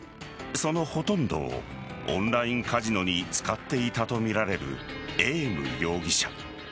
そのほとんどをオンラインカジノに使っていたとみられるエーム容疑者。